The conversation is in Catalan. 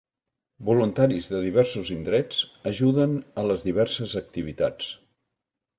Voluntaris de diversos indrets ajuden a les diverses activitats.